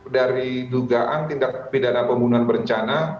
dari dugaan tindak pidana pembunuhan berencana